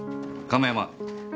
亀山。